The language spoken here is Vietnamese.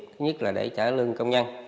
thứ nhất là để trả lương công nhân